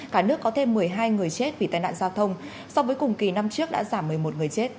cả nước có thêm một mươi hai người chết vì tai nạn giao thông so với cùng kỳ năm trước đã giảm một mươi một người chết